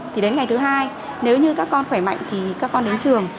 thì đến ngày thứ hai nếu như các con khỏe mạnh thì các con đến trường